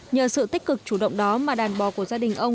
nhờ sự tích cực chủ động đó mà đàn bò của gia đình ông